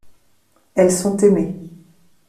Elles sont aimées.